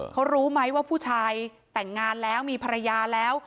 เขารู้ไหมว่าผู้ชายแต่งงานแล้วมีภรรยาแล้ว